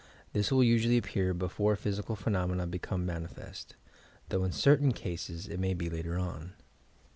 This will usually appear before physical phenomena become manifest, though in certain cases it may be later on.